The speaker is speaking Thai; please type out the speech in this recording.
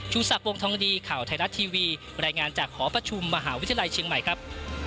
สักวงทองดีข่าวไทยรัฐทีวีรายงานจากหอประชุมมหาวิทยาลัยเชียงใหม่ครับ